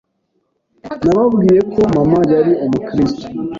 Nababwiye ko mama yari umukristo